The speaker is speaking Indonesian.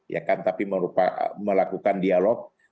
ya kan tapi melakukan dialog